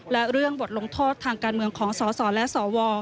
และเรื่องบทลงโทษทางการเมืองของสสและสว